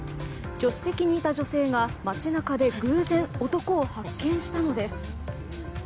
助手席にいた女性が街中で偶然、男を発見したのです。